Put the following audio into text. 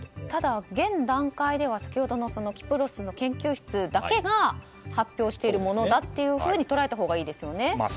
ただ、現段階では先ほどのキプロスの研究室だけが発表しているものだと捉えたほうがいいですね。